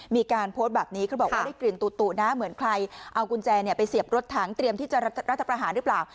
มีการโพสต์แบบนี้เขาบอกว่าได้กลิ่นตุนะเหมือนใครเอากุญแจไปเสียบรถถังเตรียมที่จะรัฐประหารหรือเปล่า